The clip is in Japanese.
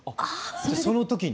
その時に？